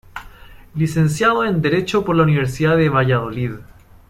Licenciado en Derecho por la Universidad de Valladolid.